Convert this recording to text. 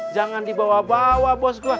jangan dibawa bawa bos gua